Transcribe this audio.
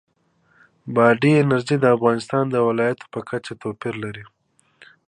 بادي انرژي د افغانستان د ولایاتو په کچه توپیر لري.